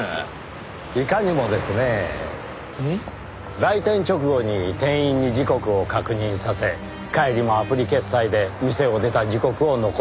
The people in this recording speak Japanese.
来店直後に店員に時刻を確認させ帰りもアプリ決済で店を出た時刻を残しておく。